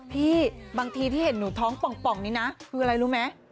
บางทีที่เห็นหนูท้องป่องนี้นะคืออะไรรู้ไหม